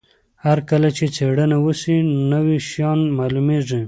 هر کله چې څېړنه وسي نوي شیان معلومیږي.